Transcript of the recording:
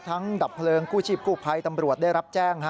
ทั้งดับเผลิงกู้ชีพกู้ไพรตำรวจได้รับแจ้งฮะ